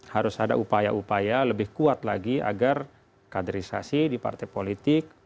harus ada upaya upaya lebih kuat lagi agar kaderisasi di partai politik